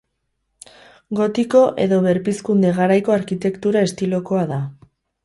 Gotiko edo Berpizkunde garaiko arkitektura estilokoa da.